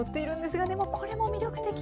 もうこれも魅力的。